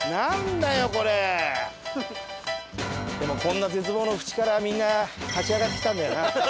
でもこんな絶望の淵からみんな勝ち上がってきたんだよな。